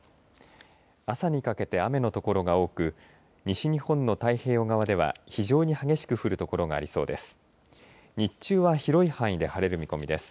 朝にかけて雨の所が多く西日本の太平洋側では非常に激しく降る所がありそうです。